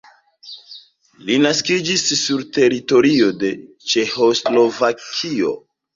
Li naskiĝis sur teritorio de Ĉeĥoslovakio.